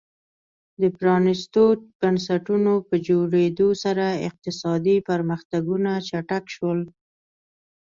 د پرانیستو بنسټونو په جوړېدو سره اقتصادي پرمختګونه چټک شول.